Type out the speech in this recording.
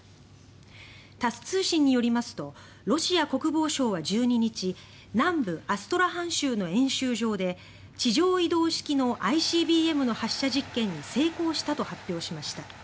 タス通信によりますとロシア国防省は１２日南部アストラハン州の演習場で地上移動式のＩＣＢＭの発射実験に成功したと発表しました。